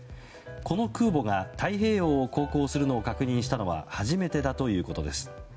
この空母が太平洋を航行するのを確認したのは初めてだということです。